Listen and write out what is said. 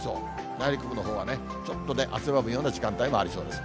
内陸部のほうはね、ちょっとね、汗ばむような時間帯ありそうです。